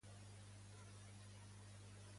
És en espanyol la versió original?